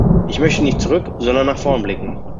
Ich möchte nicht zurück, sondern nach vorn blicken.